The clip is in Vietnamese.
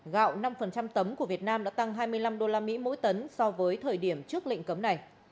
gạo năm tấm của việt nam đã tăng hai mươi năm usd mỗi tấn so với thời điểm trước lệnh cấm này